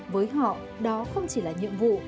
với họ đó không chỉ là nhiệm vụ